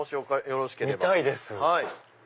見たいです！